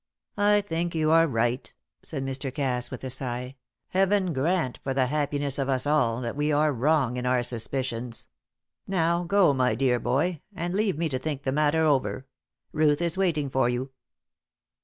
"I think you are right," said Mr. Cass with a sigh. "Heaven grant, for the happiness of us all, that we are wrong in our suspicions. Now go, my dear hoy, and leave me to think the matter over. Ruth is waiting for you."